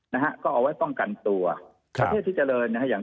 นะฮะก็เอาไว้ป้องกันตัวประเทศที่เจริญนะฮะอย่าง